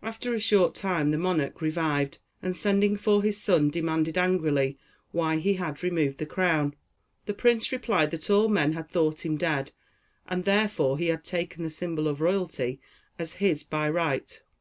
After a short time the monarch revived, and sending for his son demanded, angrily, why he had removed the crown. The prince replied that all men had thought him dead, and therefore he had taken the symbol of royalty as his by right.